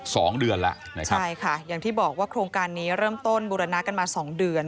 สองเดือนแล้วนะครับใช่ค่ะอย่างที่บอกว่าโครงการนี้เริ่มต้นบูรณะกันมาสองเดือน